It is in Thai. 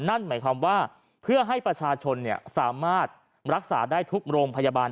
นั่นหมายความว่าเพื่อให้ประชาชนสามารถรักษาได้ทุกโรงพยาบาล